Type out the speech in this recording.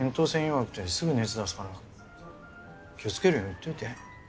弱くてすぐ熱出すから気をつけるように言っといて。